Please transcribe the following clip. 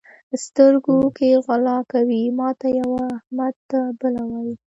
سترګو کې غلا کوي؛ ماته یوه، احمد ته بله وایي.